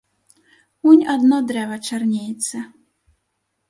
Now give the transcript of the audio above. Унь адно дрэва чарнеецца.